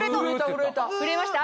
震えました？